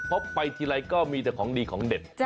ไปทีไรก็มีแต่ของดีของเด็ด